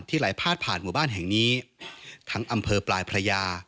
ไหลพาดผ่านหมู่บ้านแห่งนี้ทั้งอำเภอปลายพระยา